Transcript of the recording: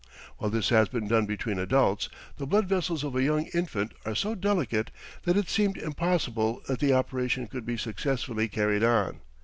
While this has been done between adults, the blood vessels of a young infant are so delicate that it seemed impossible that the operation could be successfully carried on.